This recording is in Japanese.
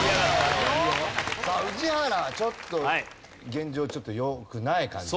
宇治原はちょっと現状ちょっと良くない感じが。